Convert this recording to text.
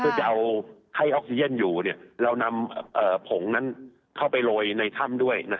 เพื่อจะเอาให้ออกซีเย็นอยู่เนี่ยเรานำเอ่อผงนั้นเข้าไปโรยในถ้ำด้วยนะฮะ